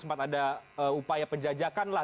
sempat ada upaya penjajakan lah